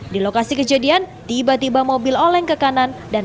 di lokasi kejadian tiba tiba mobil oleng kekacauan